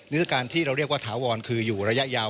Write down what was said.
หรือการที่เราเรียกว่าถาวรคืออยู่ระยะยาว